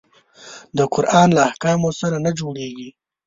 د قرآن له احکامو سره نه جوړیږي.